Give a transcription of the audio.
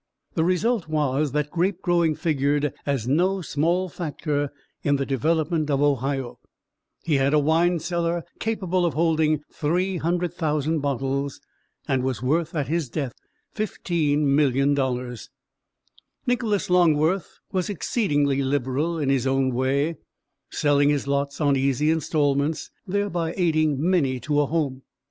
The result was that grape growing figured as no small factor in the development of Ohio. He had a wine cellar capable of holding 300,000 bottles, and was worth at his death $15,000,000. Nicholas Longworth was exceedingly liberal in his own way selling his lots on easy installments, thereby aiding many to a home.